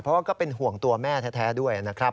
เพราะว่าก็เป็นห่วงตัวแม่แท้ด้วยนะครับ